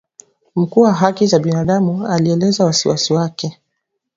Mkuu wa haki za binadamu alielezea wasiwasi wake